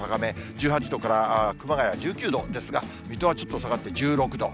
１８度から熊谷１９度ですが、水戸はちょっと下がって１６度。